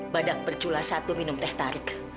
badak bercula satu minum teh tarik